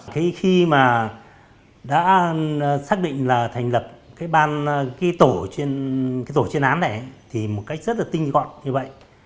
khi mà đã xác định là thành lập cái tổ trên án này thì một cách rất là tinh gọn như vậy